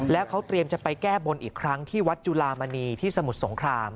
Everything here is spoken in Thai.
แล้วเขาเตรียมจะไปแก้บนอีกครั้งที่วัดจุลามณีที่สมุทรสงคราม